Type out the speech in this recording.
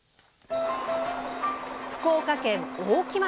福岡県大木町。